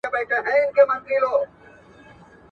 هغه د خدای د عشق تجربه په شعرونو کې څرګنده کړه.